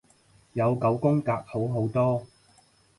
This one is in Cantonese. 有九宮格好好多